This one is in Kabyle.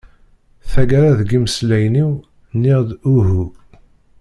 Taggara deg imeslayen-iw, nniɣ-d uhu.